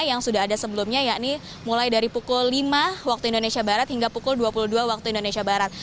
yang sudah ada sebelumnya yakni mulai dari pukul lima waktu indonesia barat hingga pukul dua puluh dua waktu indonesia barat